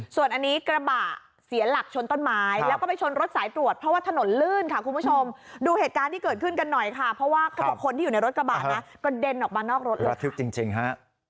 ส่วนอันนี้กระบะเสียหลักชนต้นไม้แล้วก็ไปชนรถสายตรวจเพราะว่าถนนลื่นค่ะคุณผู้ชมดูเหตุการณ์ที่เกิดขึ้นกันหน่อยค่ะเพราะว่าเขาบอกคนที่อยู่ในรถกระบะนะกระเด็นออกมานอกรถเลยระทึกจริงฮะ